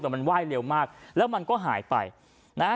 แต่มันไหว้เร็วมากแล้วมันก็หายไปนะฮะ